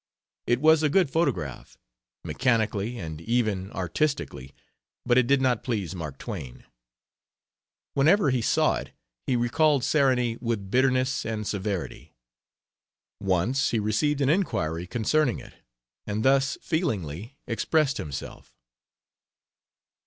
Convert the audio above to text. It was a good photograph, mechanically and even artistically, but it did not please Mark Twain. Whenever he saw it he recalled Sarony with bitterness and severity. Once he received an inquiry concerning it, and thus feelingly expressed himself.